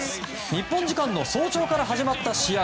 日本時間の早朝から始まった試合